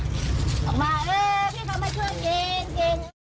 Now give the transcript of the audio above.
พี่เข้ามาช่วยเย็นเย็น